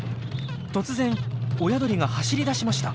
突然親鳥が走りだしました。